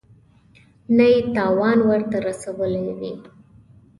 نه یې تاوان ورته رسولی وي.